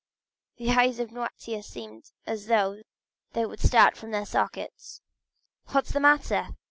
The eyes of Noirtier seemed as though they would start from their sockets. "What is the matter?